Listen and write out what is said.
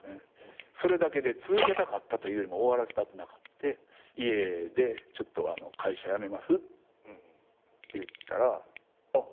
それだけで続けたかったというよりも終わらせたくなくて家で会社辞めますって言ったらあっ